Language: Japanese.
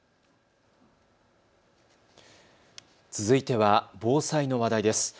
続いては防災の話題です。